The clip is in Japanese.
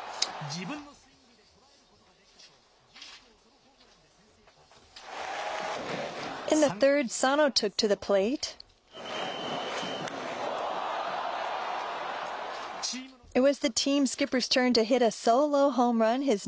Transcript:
自分のスイングで捉えることができたと、１６号ソロホームランで先制します。